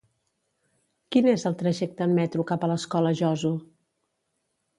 Quin és el trajecte en metro cap a l'Escola Joso?